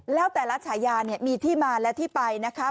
แล้วแต่ละระชายาเนี่ยมีที่มาและที่ไปนะคะ